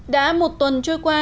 đã một tuần trôi qua